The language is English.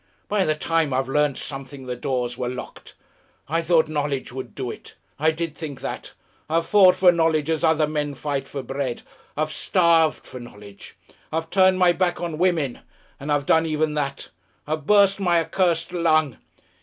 By the time I'd learnt something the doors were locked. I thought knowledge would do it I did think that! I've fought for knowledge as other men fight for bread. I've starved for knowledge. I've turned my back on women; I've done even that. I've burst my accursed lung...."